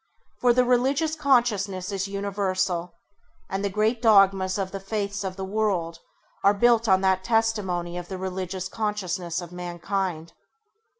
For the religious consciousness is universal and the great dogmas of the faiths of the world are built on that testimony of the religious consciousness of mankind.